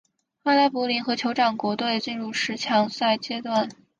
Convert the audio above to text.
阿拉伯联合酋长国队进入十强赛阶段。